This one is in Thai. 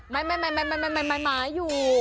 มายหมายอยู่